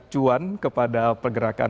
cuan kepada pergerakan